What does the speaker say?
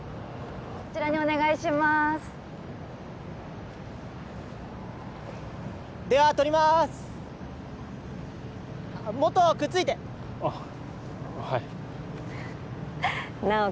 こちらにお願いしますでは撮りまーすもっとくっついてあはい直木